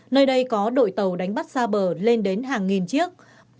nơi đây có đội tàu đánh bắt xa bờ lên đến hàng nghìn chiếc